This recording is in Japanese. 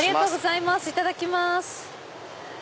いただきます。